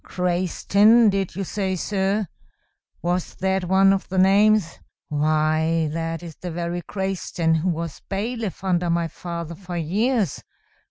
Crayston, did you say, sir? Was that one of the names? Why, that is the very Crayston who was bailiff under my father for years.